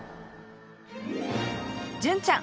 純ちゃん